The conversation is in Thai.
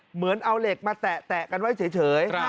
เหมือนเอาเหล็กมาแตะกันไว้เฉย